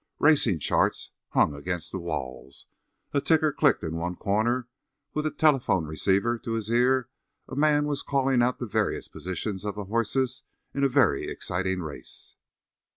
Racing charts hung against the walls, a ticker clicked in one corner; with a telephone receiver to his ear a man was calling out the various positions of the horses in a very exciting race.